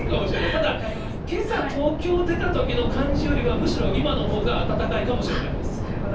ただ、けさ、東京出たときの感じよりは、むしろ今のほうが暖かいなるほど。